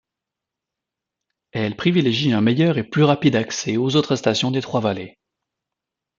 Elle privilégie un meilleur et plus rapide accès aux autres stations des 'Trois Vallées.